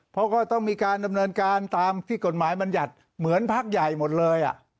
เพราะก็ต้องมีการดำเนินการตามที่กฎหมายบรรยัติเหมือนพักใหญ่หมดเลย